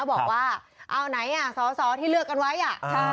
บอกว่าเอาไหนอ่ะสอสอที่เลือกกันไว้อ่ะ